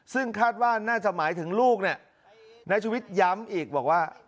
ซึ่งคาดว่าน่าจะหมายถึงลูกในชูวิทย์ย้ำอีกบอกว่า